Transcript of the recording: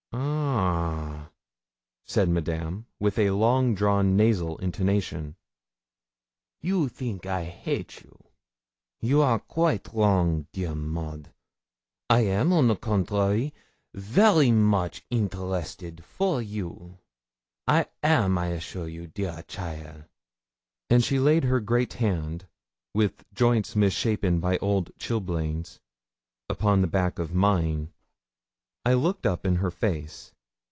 'Ah!' said Madame, with a long drawn nasal intonation, 'you theenk I hate you. You are quaite wrong, my dear Maud. I am, on the contrary, very much interested for you I am, I assure you, dear a cheaile.' And she laid her great hand, with joints misshapen by old chilblains, upon the back of mine. I looked up in her face.